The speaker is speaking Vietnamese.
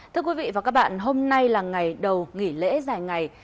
thưa quý vị và các bạn hôm nay là ngày đầu nghỉ lễ dài ngày